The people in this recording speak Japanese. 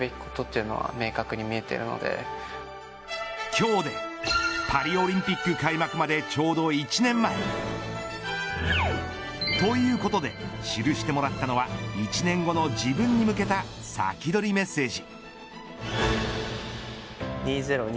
今日でパリオリンピック開幕までちょうど１年前。ということで記してもらったのは１年後の自分に向けたサキドリメッセージ。